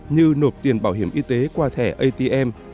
như nộp tiền bảo hiểm y tế qua thẻ atm